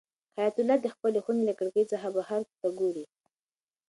حیات الله د خپلې خونې له کړکۍ څخه بهر ته ګوري.